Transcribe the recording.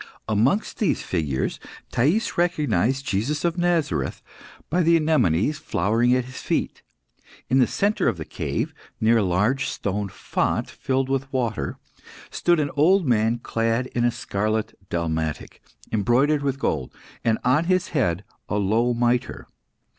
Amongst these figures, Thais recognised Jesus of Nazareth, by the anemones flowering at his feet. In the centre of the cave, near a large stone font filled with water, stood an old man clad in a scarlet dalmatic embroidered with gold, and on his head a low mitre.